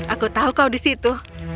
aku tahu kau di situ